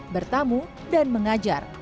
bertamu dan mengajar